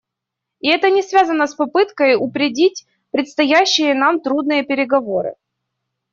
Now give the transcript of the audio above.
И это не связано с попыткой упредить предстоящие нам трудные переговоры.